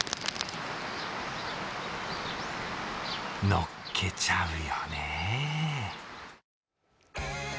のっけちゃうよね。